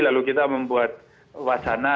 lalu kita membuat wacana